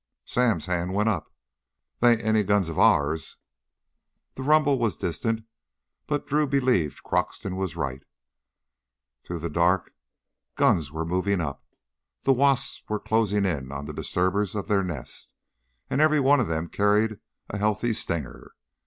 Sam's hand went up. "Those ain't any guns of ours." The rumble was distant, but Drew believed Croxton was right. Through the dark, guns were moving up. The wasps were closing in on the disturbers of their nest, and every one of them carried a healthy stinger.